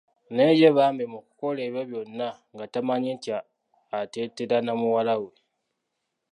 Naye ye bambi mu kukola ebyo byonna nga tamanyi nti ateetera na muwalawe.